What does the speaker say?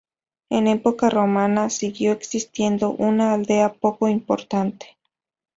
En Época Romana siguió existiendo una aldea poco importante.